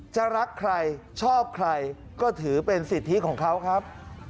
รักใครชอบใครก็ถือเป็นสิทธิของเขาครับ